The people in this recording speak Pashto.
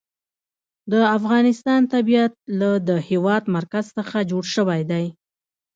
د افغانستان طبیعت له د هېواد مرکز څخه جوړ شوی دی.